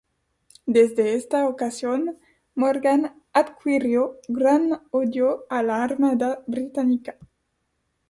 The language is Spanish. Desde esta ocasión Morgan adquirió gran odio a la armada británica.